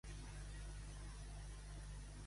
Va estudiar batxiller complet a l'institut?